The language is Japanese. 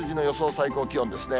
最高気温ですね。